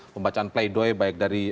pembacaan pleidoi baik dari